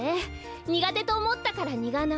にがてとおもったからニガナ。